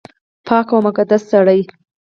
پاک او مقدس سړی